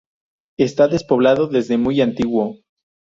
Está despoblado desde muy antiguo.